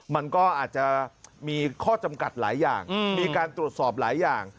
มันก็อาจจะมีข้อจำกัดหลายอย่างมีการตรวจสอบหลายอย่าง